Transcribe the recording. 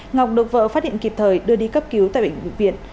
ngọc được vợ phát hiện kịp thời đưa đi cấp cứu tại bệnh viện việt